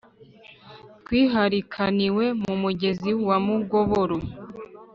twiharikaniwe ku mugezi wa mugoboro.